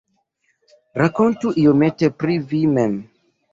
Rakontu iomete pri vi mem.